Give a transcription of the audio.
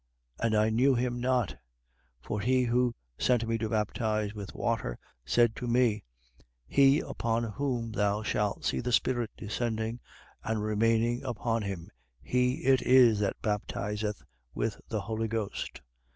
1:33. And I knew him not: but he who sent me to baptize with water said to me: He upon whom thou shalt see the Spirit descending and remaining upon him, he it is that baptizeth with the Holy Ghost.